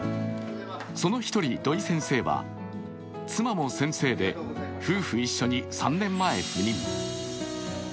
その１人、土井先生は妻も先生で夫婦一緒に３年前に赴任。